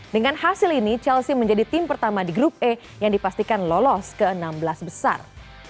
dengan hasil ini chelsea menjadi tim pertama di grup e yang dipastikan lolos ke enam belas besar